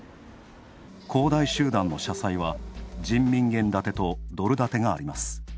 恒大集団の社債は、人民元建てとドル建てがあります。